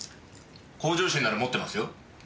向上心なら持ってますよ。